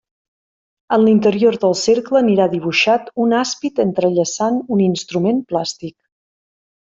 En l'interior del cercle anirà dibuixat un àspid entrellaçant un instrument plàstic.